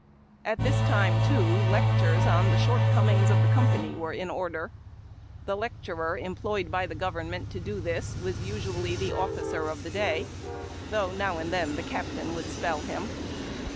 At this time, too, lectures on the shortcomings of the company were in order. The lecturer employed by the government to do this was usually the officer of the day, though now and then the captain would spell him.